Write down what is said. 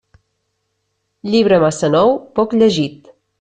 Llibre massa nou, poc llegit.